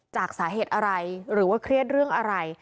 จากสาเหตุอะไรหรือว่าเครียดเรื่องอะไร